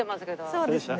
そうですね。